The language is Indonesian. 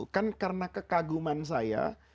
kan karena kekaguman saya